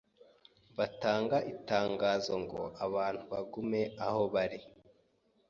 batanga itangazo ngo abantu bagume aho bari